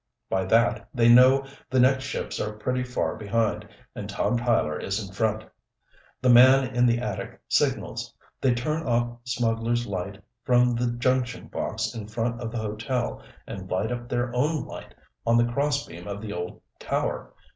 By that, they know the next ships are pretty far behind and Tom Tyler is in front. The man in the attic signals. They turn off Smugglers' Light from the junction box in front of the hotel and light up their own light on the crossbeam of the old tower.